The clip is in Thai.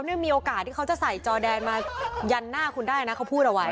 ไม่มีโอกาสที่เขาจะใส่จอแดนมายันหน้าคุณได้นะเขาพูดเอาไว้